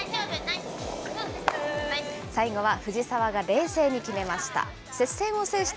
最後は藤澤が冷静に決めました。